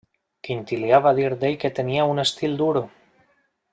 Quintilià va dir d'ell que tenia un estil dur.